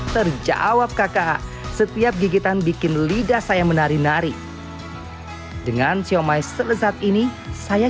terjawab kakak setiap gigitan bikin lidah saya menari nari dengan siomay selezat ini saya